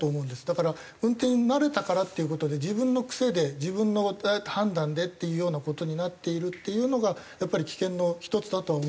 だから運転に慣れたからっていう事で自分の癖で自分の判断でっていうような事になっているっていうのがやっぱり危険の一つだとは思うんです。